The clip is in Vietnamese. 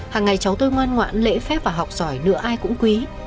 hàng ngày cháu tôi ngoan ngoãn lễ phép và học giỏi nữa ai cũng quý